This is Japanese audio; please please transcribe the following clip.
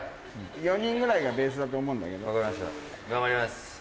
４人ぐらいがベースだと思う分かりました、頑張ります。